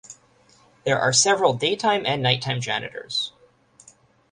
There are several day-time and night-time janitors.